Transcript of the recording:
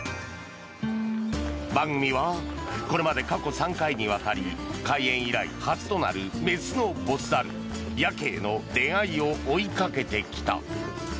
番組はこれまで過去３回にわたり開園以来初となる雌のボス猿、ヤケイの恋愛を追いかけてきた。